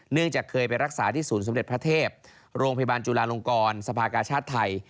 จากเคยไปรักษาที่ศูนย์สมเด็จพระเทพโรงพยาบาลจุลาลงกรสภากาชาติไทย